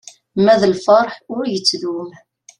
Ma d lferḥ ur yettdum.